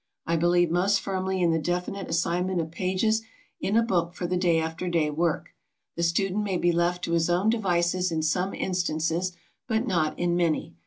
I believe most firmly in the definite assignment of pages in a book for the day after day work. The student may be left to his own devices in some instances, but not in many.